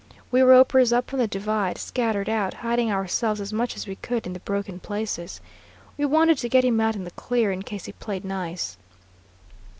We ropers up on the divide scattered out, hiding ourselves as much as we could in the broken places. We wanted to get him out in the clear in case he played nice.